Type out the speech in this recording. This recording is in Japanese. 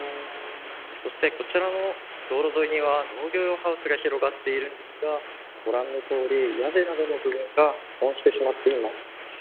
そして、こちらの道路沿いには農業用ハウスが広がっていますがご覧のとおり、屋根などの部分が壊れてしまっています。